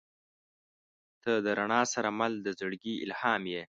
• ته د رڼا سره مل د زړګي الهام یې.